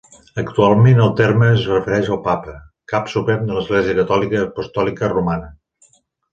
Actualment, el terme es refereix al Papa, cap suprem de l'Església catòlica apostòlica romana.